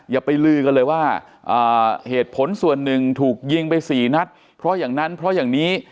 อย่าไปลือกันเลยว่าเหตุผลส่วนหนึ่งถูกยิงไปสี่นัดเพราะอย่างนั้นเพราะอย่างนี้